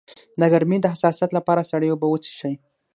د ګرمۍ د حساسیت لپاره سړې اوبه وڅښئ